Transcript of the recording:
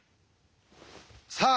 さあ